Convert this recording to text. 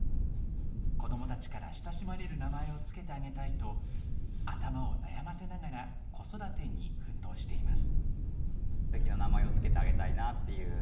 子どもたちから親しまれる名前を付けてあげたいと、頭を悩ませながら子育てに奮闘しています。